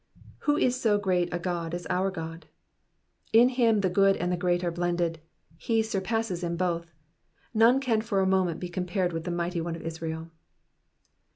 *' Who is so great a Ood as our Chdf^ In him the good and the great are blended. He surpasses in both. None can for a moment be compared with the mighty One of Israel.